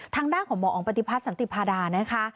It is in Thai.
ทางด้านของหมอองปฏิพัฒนสันติพาดานะคะ